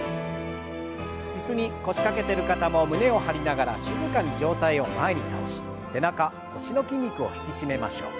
椅子に腰掛けてる方も胸を張りながら静かに上体を前に倒し背中腰の筋肉を引き締めましょう。